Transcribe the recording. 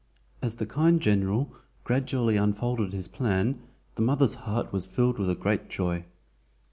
As the kind general gradually unfolded his plan the mother's heart was filled with a great joy.